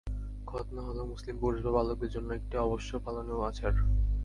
খৎনা হল মুসলিম পুরুষ বা বালকদের জন্য একটি অবশ্য পালনীয় আচার।